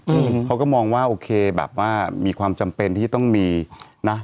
อืมเขาก็มองว่าโอเคแบบว่ามีความจำเป็นที่ต้องมีนะ